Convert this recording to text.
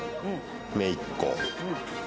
めいっ子。